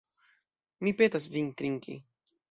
Mi petas vin trinki.